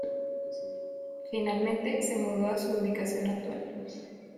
Finalmente, se mudó a su ubicación actual.